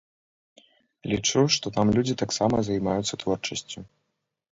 Лічу, што там людзі таксама займаюцца творчасцю.